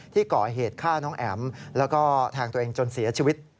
ที่ก่อเหตุฆ่าน้องแอ๋มแล้วก็แทงตัวเองจนเสียชีวิต